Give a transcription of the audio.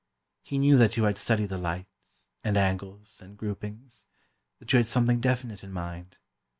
He knew that you had studied the lights, and angles, and groupings—that you had something definite in mind.